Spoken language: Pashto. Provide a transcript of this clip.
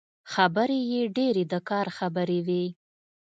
خبرې يې ډېرې د کار خبرې وې.